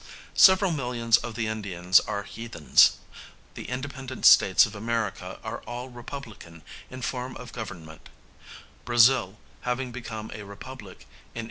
Several millions of the Indians are heathens. The independent States of America are all republican in form of government, Brazil having become a republic in 1889.